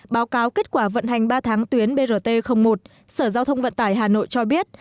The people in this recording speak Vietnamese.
báo cáo kết quả vận hành ba tháng tuyến brt một sở giao thông vận tải hà nội cho biết